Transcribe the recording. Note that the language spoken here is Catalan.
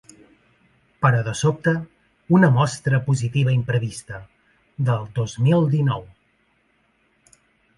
Però, de sobte, una mostra positiva imprevista… del dos mil dinou.